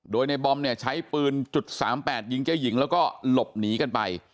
โดยในบอมเนี่ยใช้ปืนจุด๓๘ยิงเจ๊หญิงแล้วก็หลบหนีกันไป